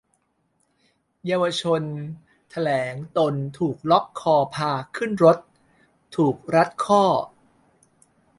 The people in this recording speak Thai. เยาวชนแถลงตนถูกล็อกคอพาขึ้นรถ-ถูกรัดข้อ